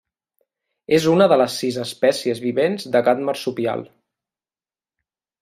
És una de les sis espècies vivents de gat marsupial.